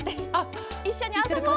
「いっしょにあそぼう！」